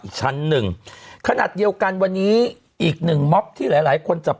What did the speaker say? อีกชั้นหนึ่งขนาดเดียวกันวันนี้อีกหนึ่งม็อบที่หลายหลายคนจับ